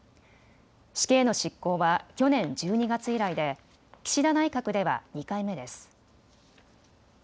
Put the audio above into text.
死刑の執行は去年１２月以来で岸田内閣では２回目です。